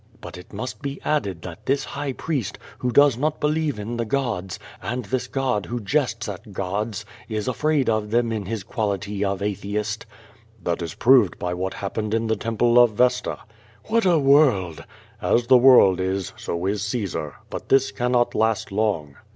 But it must be added tliat this High Priost, who does not believe in the gods, and this god wlio jests at gods, is afraid of them in his quality of atheist." "That is proved by what happened in the temple of Vesta.'' "AVhat a world!'' "As the world is, so is Caesar. But this cannot last long.''